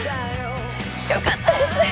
よかったですね